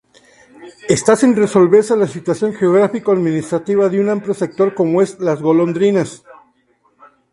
Esta sin resolver la situación geográfico-administrativa de un amplio sector como es Las Golondrinas.